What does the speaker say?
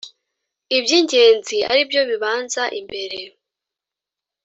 Ibyingenzi aribyo bibanza imbere